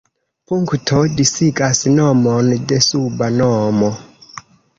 Punkto disigas nomon de suba nomo.